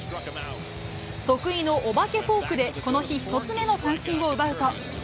得意のおばけフォークで、この日、１つ目の三振を奪うと。